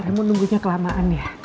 emang nunggunya kelamaan ya